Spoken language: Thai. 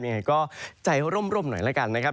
ยังไงก็ใจร่มให้ร่มหน่อยละกันนะครับ